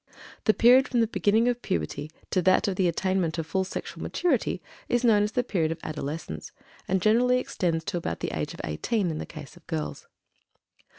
The period from the beginning of puberty to that of the attainment of full sexual maturity is known as the period of "adolescence," and generally extends to about the age of eighteen in the case of girls.